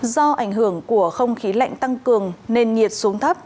do ảnh hưởng của không khí lạnh tăng cường nền nhiệt xuống thấp